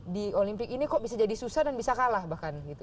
di olimpik ini kok bisa jadi susah dan bisa kalah bahkan gitu